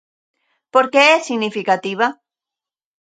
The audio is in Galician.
Por que é significativa?